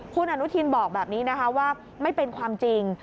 คุณอนุทินบอกแบบนี้นะคะว่าไม่เป็นความจริง